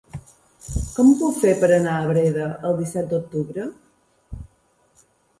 Com ho puc fer per anar a Breda el disset d'octubre?